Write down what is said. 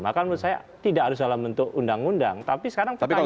maka menurut saya tidak harus dalam bentuk undang undang tapi sekarang pertanyaannya